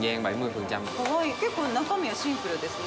結構、中身はシンプルですね。